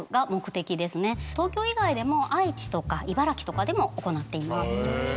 東京以外でも愛知とか茨城とかでも行っています。